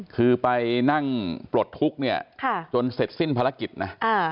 คือไปนั่งปลดทุกข์เนี่ยจนเสร็จสิ้นภารกิจนะ